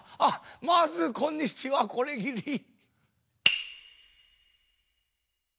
あっまずこんにちはこれぎり。